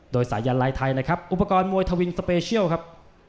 โดยสายันลายไทยนะครับอุปกรณ์มวยทวินสเปเชียลครับ